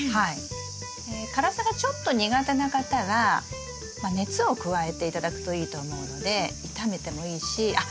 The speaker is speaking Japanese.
辛さがちょっと苦手な方は熱を加えて頂くといいと思うので炒めてもいいしあっ